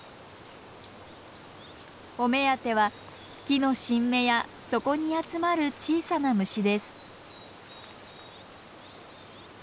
お目当ては木の新芽やそこに集まる小さな虫です。